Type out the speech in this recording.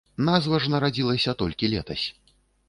Назва ж нарадзілася толькі летась.